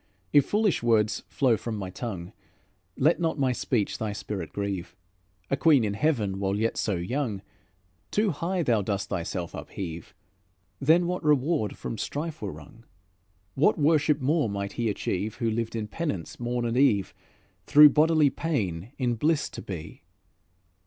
If foolish words flow from my tongue, Let not my speech thy spirit grieve. A queen in heaven while yet so young, Too high thou dost thyself upheave. Then what reward from strife were wrung? What worship more might he achieve Who lived in penance morn and eve, Through bodily pain in bliss to be?